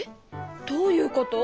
どういうこと？